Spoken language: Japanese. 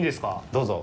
どうぞ！